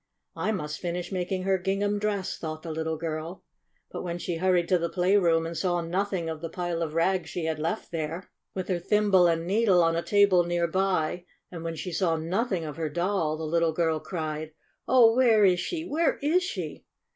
"I must finish making her gingham dress," thought the little girl. But when she hurried to the playroom and saw noth ing of the pile of rags she had left there, 92 STORY OP A SAWDUST DOLL with her thimble and needle on a table near by, and when she saw nothing of her doll, the little girl cried: "Oh, where is she? Where is she?"